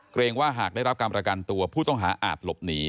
เกรงว่าหากได้รับการประกันตัวผู้ต้องหาอาจหลบหนี